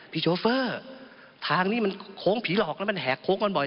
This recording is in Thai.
โชเฟอร์ทางนี้มันโค้งผีหลอกแล้วมันแหกโค้งมันบ่อย